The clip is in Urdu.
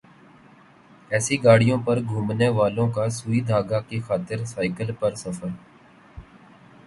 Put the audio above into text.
اے سی گاڑیوں میں گھومنے والوں کا سوئی دھاگا کی خاطر سائیکل پر سفر